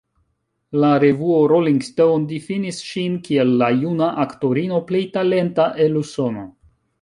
La revuo Rolling Stone difinis ŝin kiel “la juna aktorino plej talenta el Usono”.